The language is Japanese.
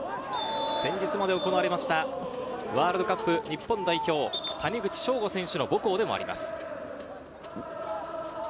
先日まで行われましたワールドカップ日本代表、谷口彰悟選手の母校でもあります。